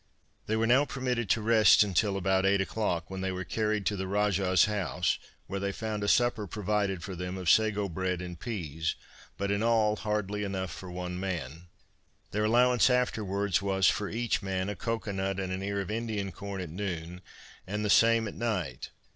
They were now permitted to rest until about eight o'clock when they were carried to the Rajah's house, where they found a supper provided for them of sago bread and peas, but in all hardly enough for one man. Their allowance afterwards was for each man a cocoa nut and an ear of Indian corn at noon, and the same at night.